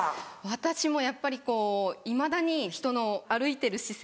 私もやっぱりこういまだにひとの歩いてる姿勢